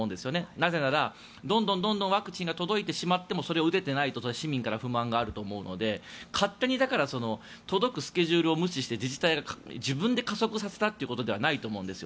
なぜなら、どんどんワクチンが届いてしまってもそれを打てていないと市民から不安があると思うので勝手に届くスケジュールを無視して自治体が自分で加速させたということではないと思うんですよ。